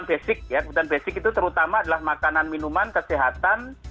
basic ya kebutuhan basic itu terutama adalah makanan minuman kesehatan